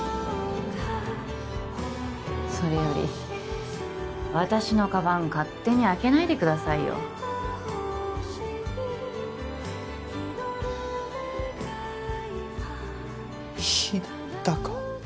それより私のカバン勝手に開けないでくださいよ日高？